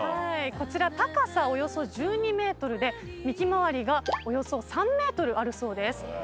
こちら高さおよそ１２ｍで幹回りがおよそ３ｍあるそうです。